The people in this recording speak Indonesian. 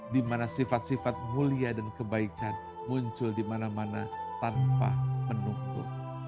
dimana sifat sifat mulia dan kebaikan muncul dimana mana tanpa menunggu